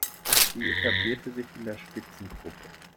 Sie etablierte sich in der Spitzengruppe.